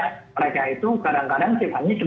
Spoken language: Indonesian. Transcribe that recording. kalau mereka kurang mengelola data dengan baik